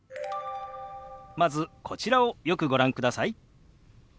まずこちらをよくご覧ください。